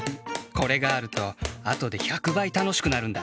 これがあるとあとで１００ばいたのしくなるんだ。